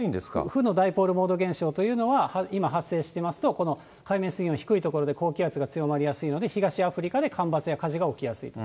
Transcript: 負のダイポールモード現象というのは、今発生してますと、海面水温低い所で強まりやすいので、東アフリカで干ばつや火事が起きやすいと。